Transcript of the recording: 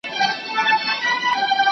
¬ باغ چي لاښ سي، باغوان ئې خوار سي.